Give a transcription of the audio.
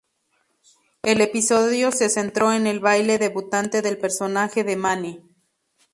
El episodio se centró en el baile debutante del personaje de Manny.